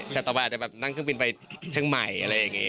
สัตวอาจจะแบบนั่งเครื่องบินไปเชียงใหม่อะไรอย่างนี้